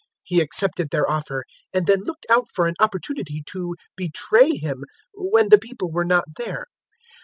022:006 He accepted their offer, and then looked out for an opportunity to betray Him when the people were not there.